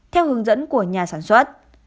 theo hướng dẫn của nhà sản xuất